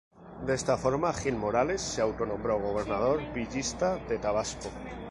De esta forma, Gil Morales se autonombró ""Gobernador Villista de Tabasco"".